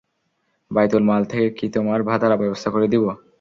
বাইতুল মাল থেকে কি তোমার ভাতার ব্যবস্থা করে দিব?